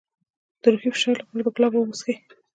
د روحي فشار لپاره د ګلاب اوبه وڅښئ